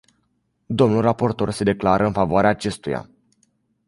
Domnul raportor se declară în favoarea acestuia.